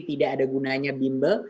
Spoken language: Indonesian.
tidak ada gunanya bimbel